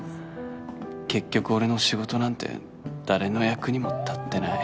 結局俺の仕事なんて誰の役にも立ってない